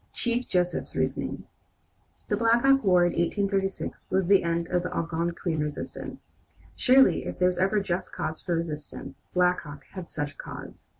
CHIEF JOSEPH'S REASONING The Black Hawk war in 1836 was the end of the Algonquin resistance. Surely if there was ever just cause for resistance, Black Hawk had such a cause.